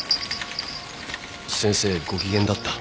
先生ご機嫌だった。